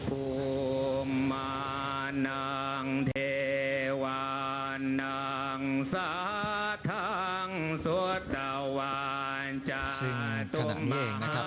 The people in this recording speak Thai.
ภูมิมานังเทวานังสัทธาสุธิภูมิมานังเทวานังสัทธา